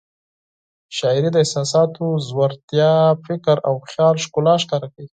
شاعري د احساساتو ژورتیا، فکر او خیال ښکلا ښکاره کوي.